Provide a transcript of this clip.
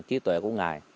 trí tuệ của ngài